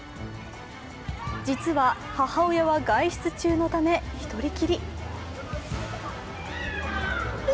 実は母親は外出中のため１人きり。